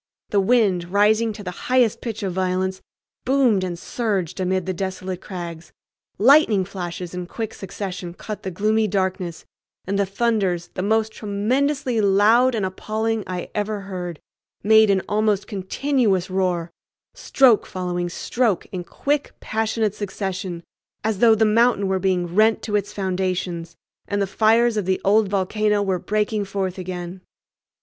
The wind, rising to the highest pitch of violence, boomed and surged amid the desolate crags; lightning flashes in quick succession cut the gloomy darkness; and the thunders, the most tremendously loud and appalling I ever heard, made an almost continuous roar, stroke following stroke in quick, passionate succession, as though the mountain were being rent to its foundations and the fires of the old volcano were breaking forth again.